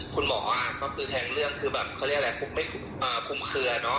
คุณหมอก็คือแทงเรื่องคือแบบไม่คุ้มเคลือ